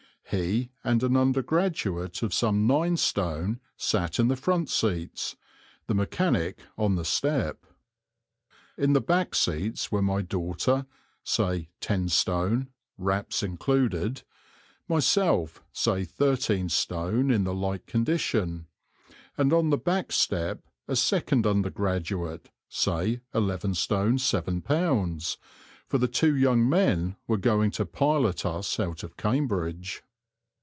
He and an undergraduate of some 9 stone sat in the front seats, the mechanic on the step. In the back seats were my daughter, say 10 stone, wraps included; myself, say 13 stone in the like condition; and on the back step a second undergraduate, say 11 stone 7 lb. for the two young men were going to pilot us out of Cambridge.